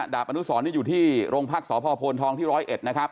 ดาบอนุสรอยู่ที่โรงพักษ์สพทที่๑๐๑นะครับ